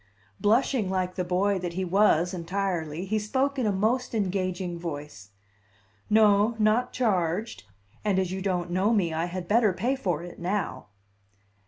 Blushing like the boy that he was entirely, he spoke in a most engaging voice: "No, not charged; and as you don't know me, I had better pay for it now."